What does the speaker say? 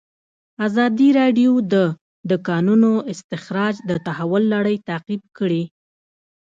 ازادي راډیو د د کانونو استخراج د تحول لړۍ تعقیب کړې.